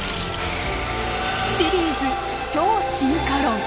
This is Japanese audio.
シリーズ「超進化論」。